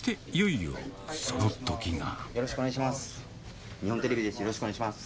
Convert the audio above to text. よろしくお願いします。